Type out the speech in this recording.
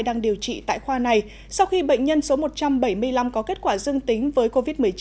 đang điều trị tại khoa này sau khi bệnh nhân số một trăm bảy mươi năm có kết quả dương tính với covid một mươi chín